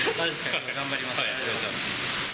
頑張ります。